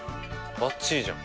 バッチリじゃん。